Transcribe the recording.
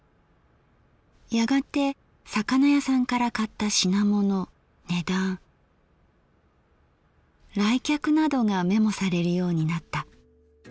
やがて魚屋さんから買った品物値段来客などがメモされるようになった。